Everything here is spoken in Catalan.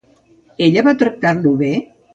Ella va tractar-lo bé?